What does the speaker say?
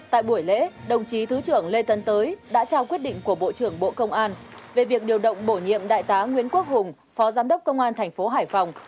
tại buổi lễ đồng chí thứ trưởng lê tấn tới đã trao quyết định của bộ trưởng bộ công an về việc điều động bổ nhiệm đại tá nguyễn quốc hùng phó giám đốc công an thành phố hải phòng